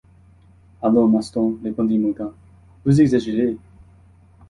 Allons, Maston, répondit Morgan, vous exagérez.